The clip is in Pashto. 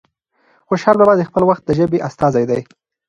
خوشال بابا د خپل وخت د ژبې استازی دی.